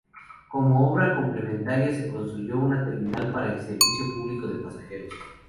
Como obra complementaria, se construyó una terminal para el servicio público de pasajeros.